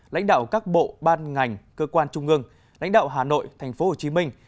lãnh đạo các bộ ban ngành cơ quan trung ương lãnh đạo hà nội thành phố hồ chí minh